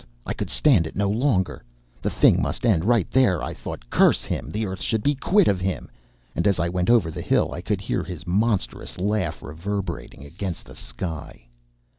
I could stand it no longer. The thing must end right there, I thought, curse him! The earth should be quit of him. And as I went over the hill, I could hear his monstrous laugh reverberating against the sky.